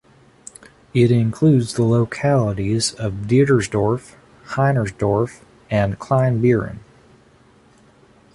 It includes the localities of "Diedersdorf", "Heinersdorf" and "Kleinbeeren".